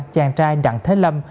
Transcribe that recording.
chàng trai đặng thế lâm